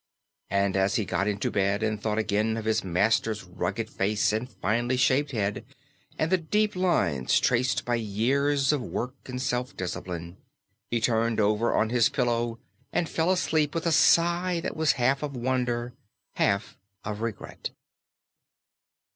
And as he got into bed and thought again of his master's rugged face, and finely shaped head, and the deep lines traced by years of work and self discipline, he turned over on his pillow and fell asleep with a sigh that was half of wonder, half of regret.